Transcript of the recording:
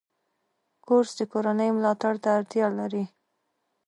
کورس د کورنۍ ملاتړ ته اړتیا لري.